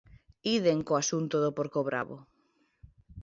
Ídem co asunto do porco bravo.